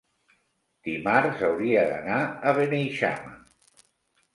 Dimarts hauria d'anar a Beneixama.